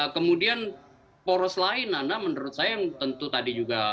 kemudian poros lain nana menurut saya yang tentu tadi juga